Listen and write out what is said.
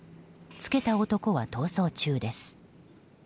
付けた男は、逃走中です。